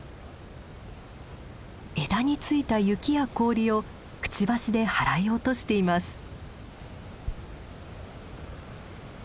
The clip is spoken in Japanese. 枝に付いた雪や氷をくちばしで払い落としています。